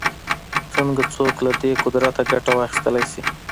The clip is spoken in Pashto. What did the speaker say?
څنګه څوک له دې قدرته ګټه واخیستلای شي